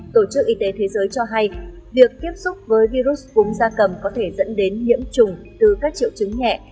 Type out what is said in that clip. tổ chức y tế thế giới cho hay việc tiếp xúc với virus cúm da cầm có thể dẫn đến nhiễm trùng từ các triệu chứng nhẹ